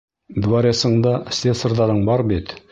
Дворецыңда слесарҙарың бар бит!